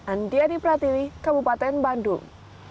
andi adi pratiwi kabupaten bandung